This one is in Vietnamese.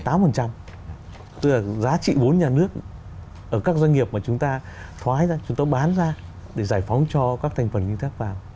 tức là giá trị vốn nhà nước ở các doanh nghiệp mà chúng ta thoái ra chúng ta bán ra để giải phóng cho các thành phần kinh tế khác vào